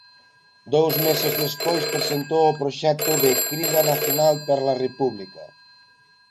Dous meses despois presentou o proxecto de Crida Nacional per la República.